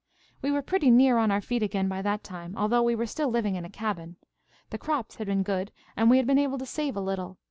"We were pretty near on our feet again by that time, although we were still living in a cabin. The crops had been good, and we had been able to save a little.